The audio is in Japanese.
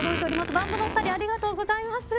ＢＡＭ部のお二人ありがとうございます。